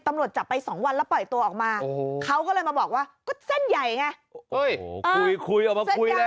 โอ้โหคุยออกมาคุยแหละ